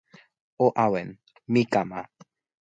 o awen. mi kama.